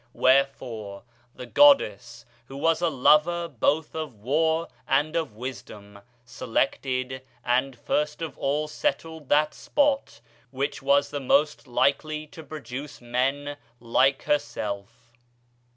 Wherefore the goddess, who was a lover both of war and of wisdom, selected, and first of all settled that spot which was the most likely to produce men likest herself.